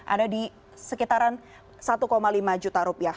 ada di sekitaran satu lima juta rupiah